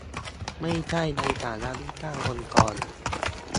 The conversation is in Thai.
ไม่ใช่ในฐานะลูกจ้างองค์กร